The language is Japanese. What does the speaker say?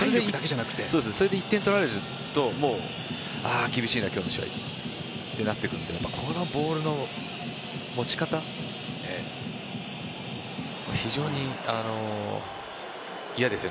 それで１点取られると厳しいな、今日の試合ってなってくるのでこのボールの持ち方非常に嫌ですね。